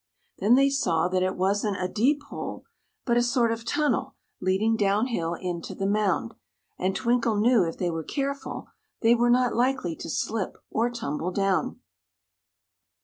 Then they saw that it wasn't a deep hole, but a sort of tunnel leading down hill into the mound, and Twinkle knew if they were careful they were not likely to slip or tumble down.